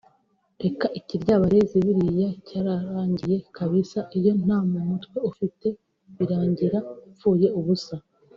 reka ikiryabarezi buriya cyararangiye kbsa iyo nta mumutwe ufite birangira upfuye ubusa